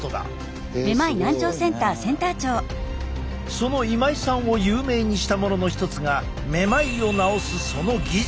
その今井さんを有名にしたものの一つがめまいを治すその技術。